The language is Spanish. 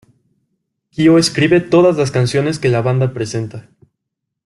Kyo escribe todas las canciones que la banda presenta.